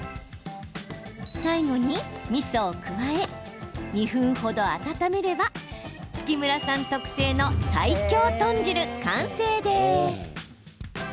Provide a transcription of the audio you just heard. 最後に、みそを加え２分程、温めれば月村さん特製の最強豚汁完成です。